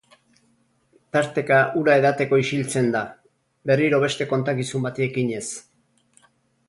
Tarteka ura edateko isiltzen da, berriro beste kontakizun bati ekinez.